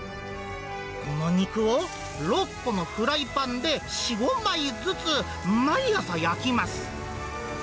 この肉を６個のフライパンで４、５枚ずつ毎朝焼きます。